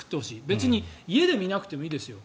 別に家で見なくてもいいですよ。